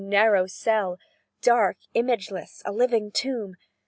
narrow cell; Dark imageless a living tomb!